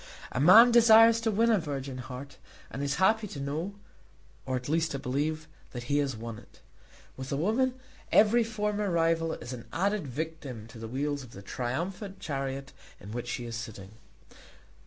A man desires to win a virgin heart, and is happy to know, or at least to believe, that he has won it. With a woman every former rival is an added victim to the wheels of the triumphant chariot in which she is sitting.